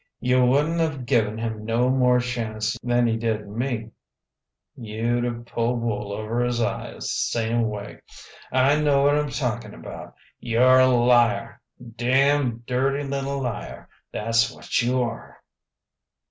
You wouldn't 've given him no more chance'n you did me you'd 've pulled wool over his eyes same way. I know what'm talking about. You're a liar, a dam' dirty little liar, tha's what you are."